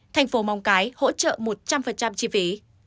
thành phố móng cái hỗ trợ một trăm linh chi phí